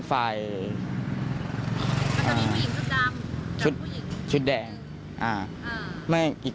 โปรดติดตามต่อไป